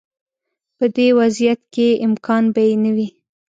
په دې وضعیت کې امکان به یې نه وي.